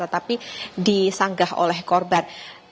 tetapi disanggah oleh korban